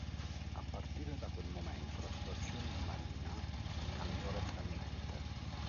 A partire da quel momento la situazione di Marina cambiò radicalmente.